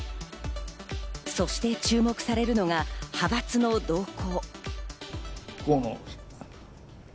そして注目されるのが派閥の動向。